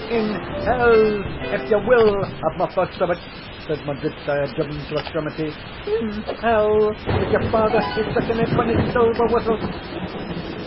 "In hell, if you will have my thoughts of it," said my gudesire, driven to extremity "in hell! with your father, his jackanape, and his silver whistle."